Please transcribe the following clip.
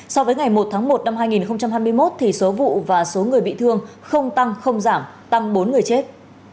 so với ngày một tháng một năm hai nghìn hai mươi một số vụ và số người bị thương không tăng không giảm tăng bốn người chết